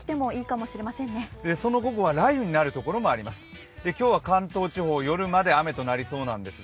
午後は雷雨になるところもありそうです。